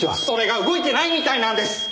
それが動いてないみたいなんです。